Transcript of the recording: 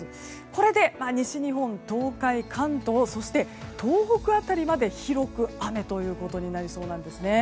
これで西日本、東海、関東そして東北辺りにまで広く雨ということになりそうです。